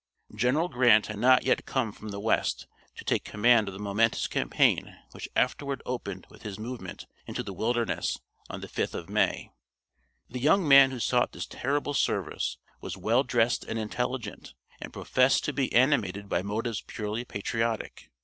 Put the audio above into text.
General Grant had not yet come from the West to take command of the momentous campaign which afterward opened with his movement into the Wilderness on the 5th of May. The young man who sought this terrible service was well dressed and intelligent, and professed to be animated by motives purely patriotic.